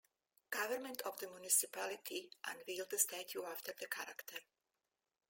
Government of the municipality unveiled a statue after the character.